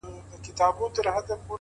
د کتاب د پاڼو رپېدل د باد کوچنی اثر دی’